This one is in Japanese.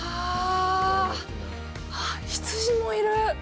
羊もいる。